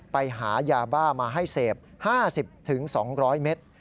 ไปหายาบ้ามาให้เสพ๕๐๒๐๐เมตร